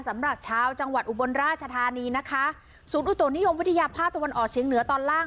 สำหรับชาวจังหวัดอุบลราชธานีนะคะศูนย์อุตุนิยมวิทยาภาคตะวันออกเชียงเหนือตอนล่าง